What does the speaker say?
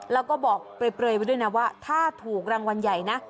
แล้วก็บอกเปลยไว้ด้วยนะว่าถ้าถูกรางวัลใหญ่นะ